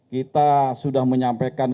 kita sudah menyampaikan